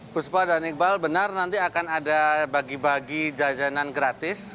puspa dan iqbal benar nanti akan ada bagi bagi jajanan gratis